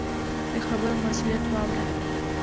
د خبرو مسؤلیت واوره.